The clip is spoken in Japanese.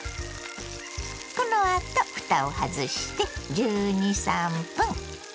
このあとふたを外して１２１３分。